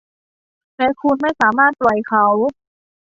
และคุณไม่สามารถปล่อยเขา